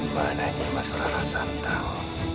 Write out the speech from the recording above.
dimananya mas rara santang